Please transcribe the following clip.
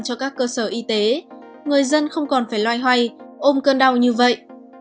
cho các cơ sở y tế người dân không còn phải loay hoay ôm cơn đau như vậy